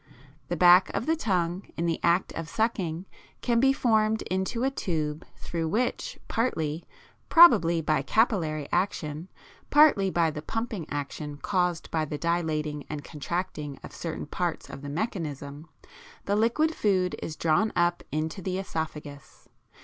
The back of the tongue in the act of sucking can be formed into a tube through which, partly, probably by capillary action, partly by the pumping action caused by the dilating and contracting of certain parts of the mechanism, the liquid food is drawn up into the æsophagus.